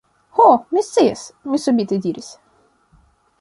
Ho! mi scias! mi subite diris.